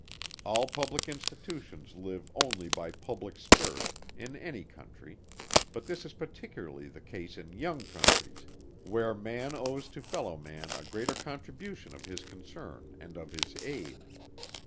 All Public Institutions live only by Public Spirit, in any Country; but this is particularly the case in young Countries where man owes to fellow man a greater contribution of his concern and of his aid.